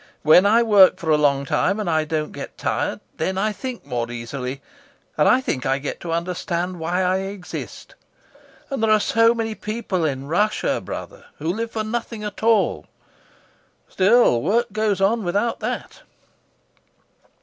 When I work for a long time, and I don't get tired, then I think more easily, and I think I get to understand why I exist. And there are so many people in Russia, brother, who live for nothing at all. Still, work goes on without that.